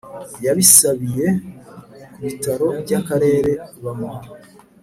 Yasabiwe ku bitaro by akarere bamuha